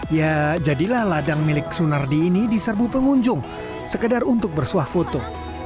ya jadilah ladang milik sunardi ini diserbu pengunjung sekedar untuk bersuah foto